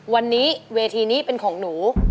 วันนี้เวทีนี้เป็นของหนู